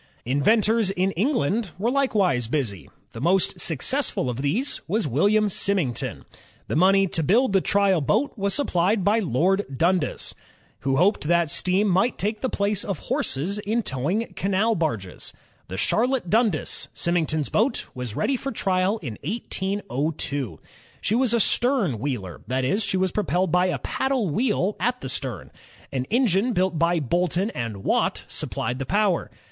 Inventors in England were likewise busy. The most successful of these was William Symington. The money to build the trial boat was supplied by Lord Dundas, who hoped that steam might take the place of horses in towing canal barges. The Charlotte Dundas, Symington's ROBERT FULTON 3 1 boat, was ready for trial in 1802. She was a stern wheeler, that is, she was propelled by a paddle wheel at the stern. An engine built by Boulton and Watt supplied the power.